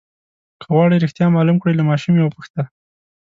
که غواړئ رښتیا معلوم کړئ له ماشوم یې وپوښته.